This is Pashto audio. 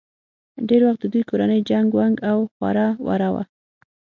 ډېر وخت د دوي کورنۍ چنګ ونګ او خوره وره وه